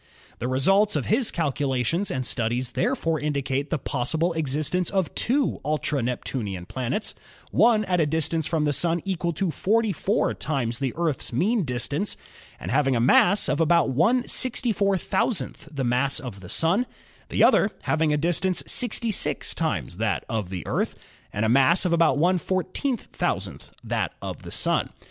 The results of his calculations and studies therefore indi cate the possible existence of two ultra Neptunian planets, one at a distance from the Sun equal to 44 times the Earth's mean distance and having a mass about stitcrf the mass of the Sun, the other having a distance 66 times that of the Earth and a mass about TH5W that of the Sun.